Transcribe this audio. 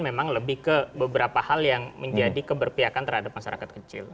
memang lebih ke beberapa hal yang menjadi keberpihakan terhadap masyarakat kecil